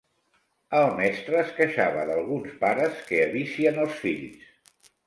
El mestre es queixava d'alguns pares que avicien els fills.